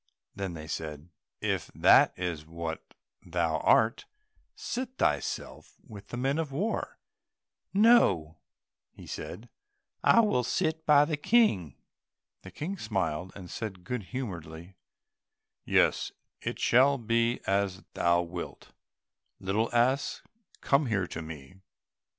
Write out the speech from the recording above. Then they said, "If that is what thou art, seat thyself with the men of war." "No," said he, "I will sit by the King." The King smiled, and said good humouredly, "Yes, it shall be as thou wilt, little ass, come here to me."